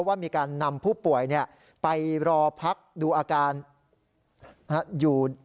ว่ามีการนำผู้ป่วยไปรอพักดูอาการอยู่